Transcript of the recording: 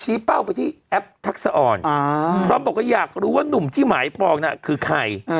เป้าไปที่แอปทักษะอ่อนพร้อมบอกว่าอยากรู้ว่านุ่มที่หมายปองน่ะคือใคร